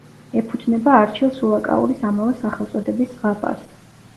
ეფუძნება არჩილ სულაკაურის ამავე სახელწოდების ზღაპარს.